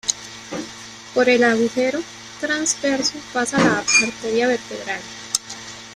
Por el agujero transverso pasa la arteria vertebral.